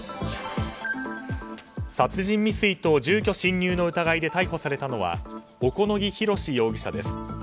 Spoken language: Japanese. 殺人未遂と住居侵入の疑いで逮捕されたのは小此木弘容疑者です。